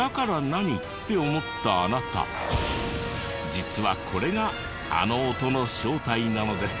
実はこれがあの音の正体なのです。